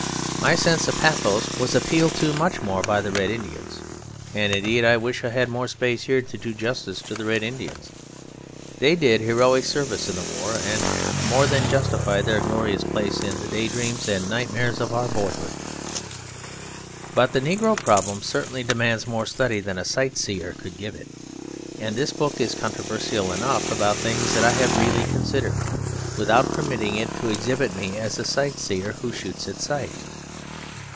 My sense of pathos was appealed to much more by the Red Indians; and indeed I wish I had more space here to do justice to the Red Indians. They did heroic service in the war; and more than justified their glorious place in the day dreams and nightmares of our boyhood. But the negro problem certainly demands more study than a sight seer could give it; and this book is controversial enough about things that I have really considered, without permitting it to exhibit me as a sight seer who shoots at sight.